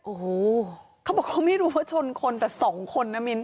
โอ้โหเขาบอกเขาไม่รู้ว่าชนคนแต่สองคนนะมิ้น